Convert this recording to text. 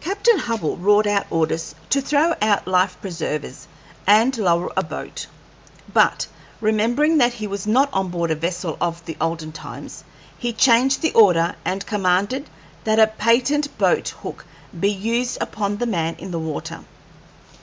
Captain Hubbell roared out orders to throw out life preservers and lower a boat; but, remembering that he was not on board a vessel of the olden times, he changed the order and commanded that a patent boat hook be used upon the man in the water.